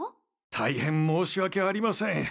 大変申し訳ありません。